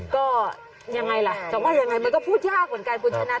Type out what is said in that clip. ก็ยังไงล่ะจะว่ายังไงมันก็พูดยากเหมือนกันคุณชนะ